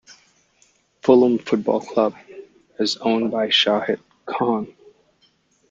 Fulham Football Club is owned by Shahid Khan.